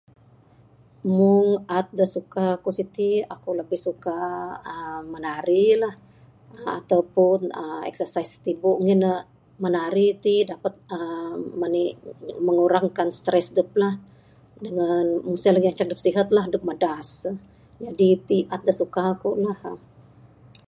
mmm art da suka ku siti, aku labih suka da aaa menari lah aaa ataupun aaa exercise tibu, ngin ne menari ti dapet aaa manik, mengurangkan stress dep lah, dengen muse lagi ngancak adep sihat lah, adep madas ah. Jadi ti art da suka ku lah ha.